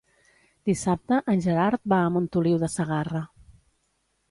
Dissabte en Gerard va a Montoliu de Segarra.